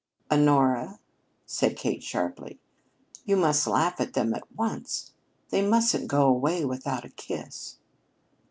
"Honora," said Kate sharply, "you must laugh at them at once! They mustn't go away without a kiss."